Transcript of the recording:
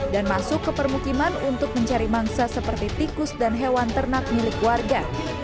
dan masuk ke permukiman untuk mencari mangsa seperti tikus dan hewan ternak milik warga